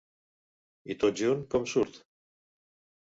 I tot junt, com surt?